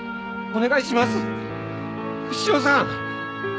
お願いします！